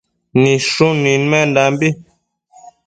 Nidshun nidmenbi